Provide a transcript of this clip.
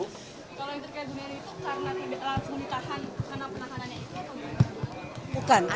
kalau terkait dengan alasan menitahan karena penahanan itu